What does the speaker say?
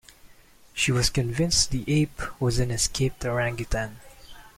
She was convinced the ape was an escaped orangutan.